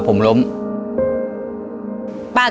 อ้อยขัดไม้ค่อยบอกว่าผมล้ม